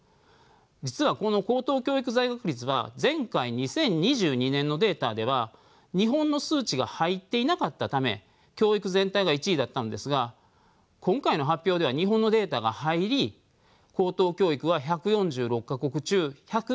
実はこの高等教育在学率は前回２０２２年のデータでは日本の数値が入っていなかったため教育全体が１位だったのですが今回の発表では日本のデータが入り高等教育は１４６か国中１０５位になっています。